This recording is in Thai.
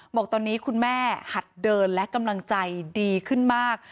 บอกตอนนี้คุณแม่หัดเดินและกำลังใจดีขึ้นมาก